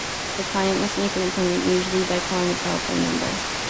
The client must make an appointment, usually by calling a telephone number.